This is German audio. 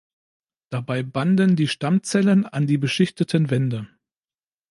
Dabei banden die Stammzellen an die beschichteten Wände.